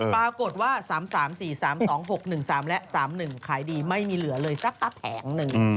ปรากฏว่า๓๓๔๓๒๖๑๓และ๓๑ขายดีไม่มีเหลือเลยสักแผงหนึ่ง